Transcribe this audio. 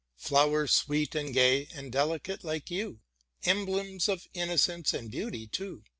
Flowers sweet and gay and delicate like you ; Emblems of innocence, and beauty too.